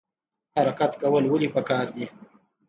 حرکت کول ولې پکار دي؟